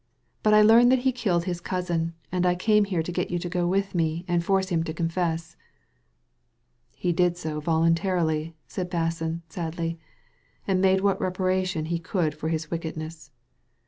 But I learned that he killed his cousin, and I came here to get you to go with me» and force him to confess." ^ He did so voluntarily," said Basson, sadly, " and made what reparation he could for his wickedness.